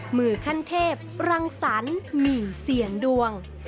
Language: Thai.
มือขั้นเทพรังสรรค์หมี่เสี่ยงดวง